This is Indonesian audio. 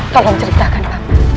tolong ceritakan paman